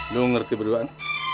lu ngerti berduaan